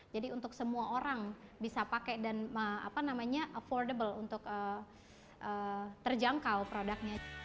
jadi untuk semua orang bisa pakai dan apa namanya affordable untuk terjangkau produknya